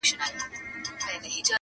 او یوازي هغه څوک هلته پایېږي!